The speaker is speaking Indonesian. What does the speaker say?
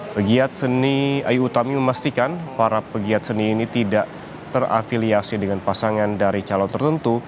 pegiat seni ayu utami memastikan para pegiat seni ini tidak terafiliasi dengan pasangan dari calon tertentu